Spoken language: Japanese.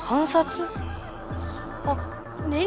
あっねん